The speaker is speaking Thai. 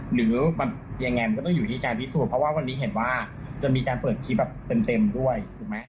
หรืออย่างไรมันก็ต้องอยู่ที่จานพิสูจน์เพราะว่าวันนี้เห็นว่าจะมีจานเปิดคลิปเป็นเต็มด้วย